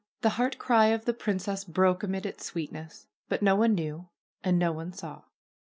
The heart cry of the princess broke amid its sweetness. But no one knew and no one saw.